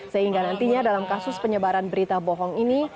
sehingga nantinya dalam kasus penyebaran berita bohong ini